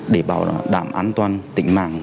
để bảo đảm an toàn tịnh mạng